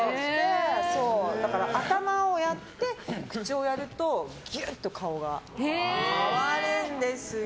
だから、頭をやって口をやるとギュッと顔が変わるんですよ。